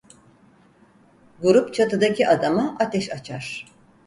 Grup çatıdaki adama ateş açar.